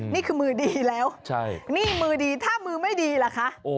นี่คือมือดีแล้วนี่มือดีถ้ามือไม่ดีล่ะคะ